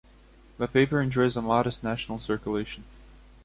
The paper enjoys a modest national circulation.